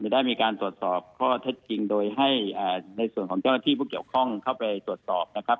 ได้มีการตรวจสอบข้อเท็จจริงโดยให้ในส่วนของเจ้าหน้าที่ผู้เกี่ยวข้องเข้าไปตรวจสอบนะครับ